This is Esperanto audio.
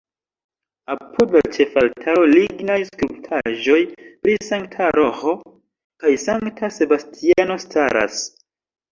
Apud la ĉefaltaro lignaj skulptaĵoj pri Sankta Roĥo kaj Sankta Sebastiano staras.